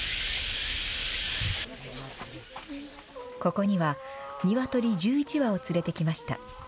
ここにはニワトリ１１羽を連れてきました。